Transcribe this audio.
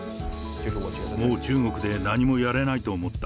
もう中国で何もやれないと思った。